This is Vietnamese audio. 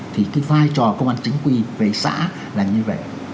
thì cái vai trò công an chính quy về xã là như vậy